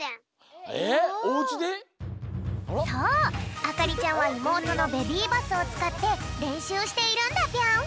そうあかりちゃんはいもうとのベビーバスをつかってれんしゅうしているんだぴょん！